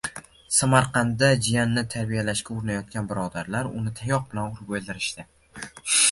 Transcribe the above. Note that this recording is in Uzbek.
Samarqandda jiyanini "tarbiyalashga" urinayotgan birodarlar uni tayoq bilan urib o'ldirishdi